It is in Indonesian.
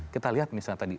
kita lihat misalnya tadi